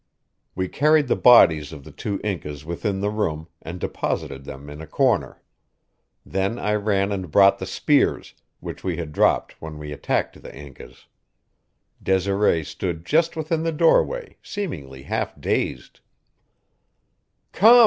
We carried the bodies of the two Incas within the room and deposited them in a corner. Then I ran and brought the spears, which we had dropped when we attacked the Incas. Desiree stood just within the doorway, seemingly half dazed.